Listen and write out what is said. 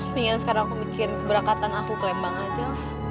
sehingga sekarang aku mikir keberangkatan aku ke lembang aja